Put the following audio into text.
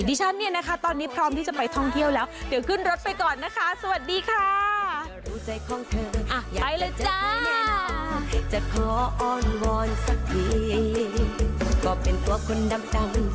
ดิฉันเนี่ยนะคะตอนนี้พร้อมที่จะไปท่องเที่ยวแล้วเดี๋ยวขึ้นรถไปก่อนนะคะสวัสดีค่ะ